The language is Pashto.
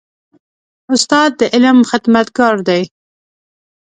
استاد د علم خدمتګار دی.